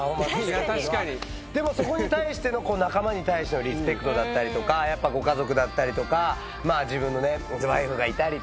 でもそこに対しての仲間に対してのリスペクトだったりご家族だったりとか自分のワイフがいたりとか。